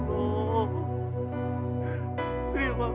marni tuh sendirian kak